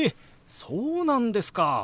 そうなんですか！